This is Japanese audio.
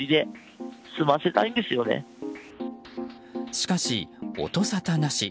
しかし、音沙汰なし。